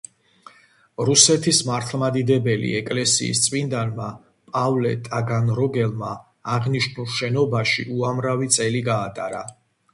რუსეთის მართლმადიდებელი ეკლესიის წმინდანმა, პავლე ტაგანროგელმა აღნიშნულ შენობაში უამრავი წელი გაატარა.